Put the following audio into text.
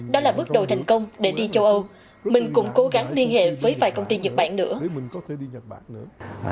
đó là bước đầu thành công để đi châu âu mình cũng cố gắng liên hệ với vài công ty nhật bản nữa